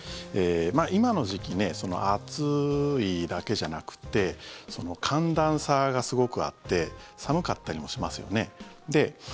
今の時期暑いだけじゃなくて寒暖差がすごくあって寒かったりもしますよね。